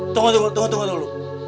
tunggu tunggu tunggu